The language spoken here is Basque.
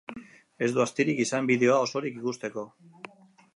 Ez dut astirik izan bideoa osorik ikusteko.